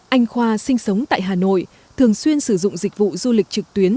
anh khoa sinh sống tại hà nội thường xuyên sử dụng dịch vụ du lịch trực tuyến